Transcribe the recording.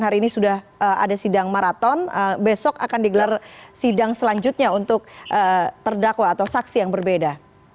hari ini sudah ada sidang maraton besok akan digelar sidang selanjutnya untuk terdakwa atau saksi yang berbeda